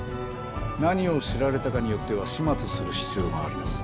何を知られたかによっては始末する必要があります。